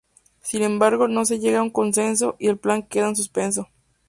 Sin embargo no se llega a un consenso y el plan queda en suspenso.